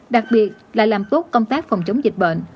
đặc biệt là làm tốt công tác phòng chống dịch bệnh